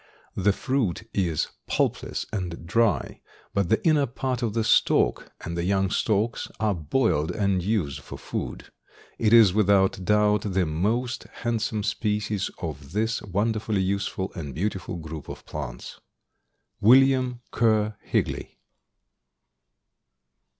The fruit is pulpless and dry, but the inner part of the stalk and the young stalks are boiled and used for food. It is without doubt the most handsome species of this wonderfully useful and beautiful group of plants. William Kerr Higley.